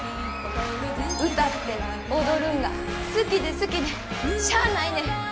歌って踊るんが好きで好きでしゃあないねん。